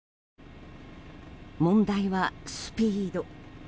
問題はスピード。